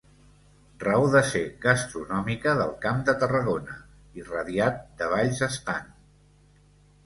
Raó de ser gastronòmica del Camp de Tarragona, irradiat de Valls estant.